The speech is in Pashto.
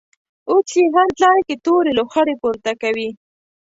اوس یې هر ځای کې تورې لوخړې پورته کوي.